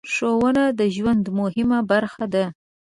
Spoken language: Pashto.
ښوونه د ژوند مهمه برخه ده.